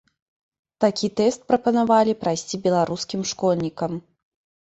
Такі тэст прапанавалі прайсці беларускім школьнікам.